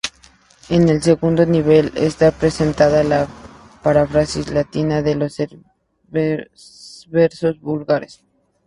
En el segundo nivel está representada la paráfrasis latina de los versos vulgares.